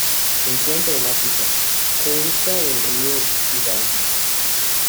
Se encuentran en África: cuenca del río Ubangui.